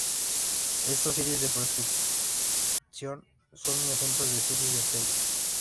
Estas series de potencias son ejemplos de series de Taylor.